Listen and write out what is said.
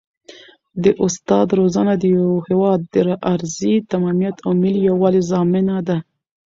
د استاد روزنه د یو هېواد د ارضي تمامیت او ملي یووالي ضامنه ده.